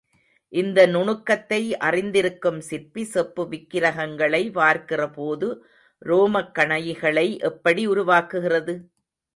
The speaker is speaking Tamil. இந்த நுணுக்கத்தை அறிந்திருக்கும் சிற்பி, செப்பு விக்கிரகங்களை வார்க்கிறபோது ரோமக் கணைகளை எப்படி உருவாக்குகிறது?